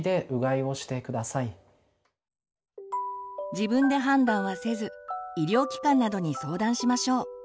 自分で判断はせず医療機関などに相談しましょう。